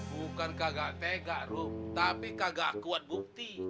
bukankah nggak tega rum tapi kagak kuat bukti